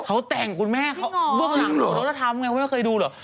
เขาแต่งคุณแม่เขาเบื้องหลังของโดนัททัมไงเขาไม่เคยดูหรือ